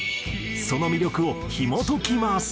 その魅力をひも解きます。